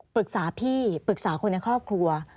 ปรึกษาพี่ปรึกษาคนในครอบครัว